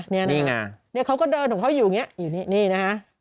นี่ไงนี่เขาก็เดินหนูเขาอยู่อยุ่นี้นี่นะฮะ